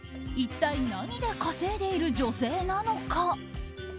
一体何で稼いでいる女性なのか。